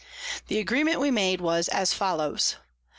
The Agreement we made was as follows.